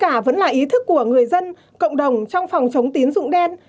cuối cùng hơn cả vẫn là ý thức của người dân cộng đồng trong phòng chống tín dụng đen